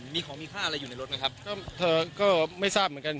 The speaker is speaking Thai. มีของมีค่าอะไรอยู่ในรถไหมครับก็เธอก็ไม่ทราบเหมือนกัน